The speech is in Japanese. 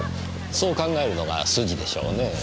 そう考えるのが筋でしょうねぇ。